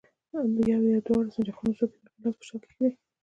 د یوه یا دواړو سنجاقونو څوکې د هغه لاس په شا کېږدئ.